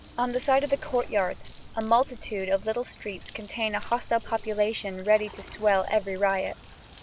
On the side of the courtyards a multitude of little streets contain a hostile population ready to swell every riot.